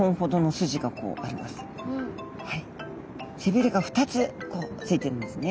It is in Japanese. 背びれが２つこうついてるんですね。